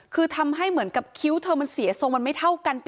คือทำให้เหมือนกับคิ้วเธอมันเสียทรงมันไม่เท่ากัน